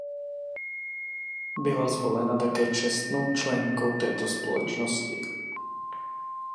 Byla zvolena také čestnou členkou této společnosti.